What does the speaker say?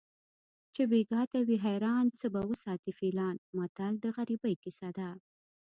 چې بیګا ته وي حیران څه به وساتي فیلان متل د غریبۍ کیسه ده